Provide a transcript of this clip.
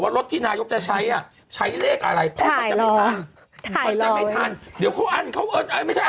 ว่ารถที่นายกจะใช้ใช้เลขอะไร